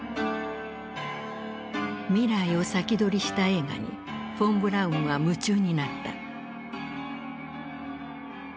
未来を先取りした映画にフォン・ブラウンは夢中になった。